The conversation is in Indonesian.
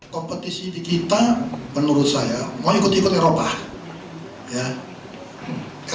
kompetisi liga indonesia